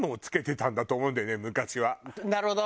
なるほど。